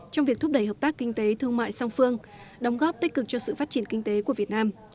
trong việc thúc đẩy hợp tác kinh tế thương mại song phương đóng góp tích cực cho sự phát triển kinh tế của việt nam